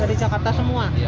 dari jakarta semua